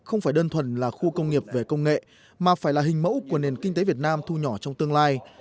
không phải đơn thuần là khu công nghiệp về công nghệ mà phải là hình mẫu của nền kinh tế việt nam thu nhỏ trong tương lai